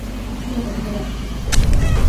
আসল কথায় আসি।